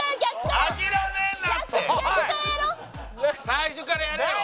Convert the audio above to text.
最初からやれよ。